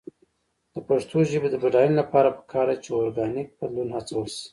د پښتو ژبې د بډاینې لپاره پکار ده چې اورګانیک بدلون هڅول شي.